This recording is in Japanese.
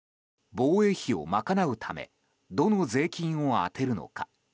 防衛費を賄うためどの税金を充てるのか。